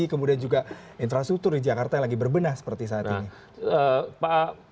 kemudian juga infrastruktur di jakarta yang lagi berbenah seperti saat ini